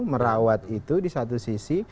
merawat itu di satu sisi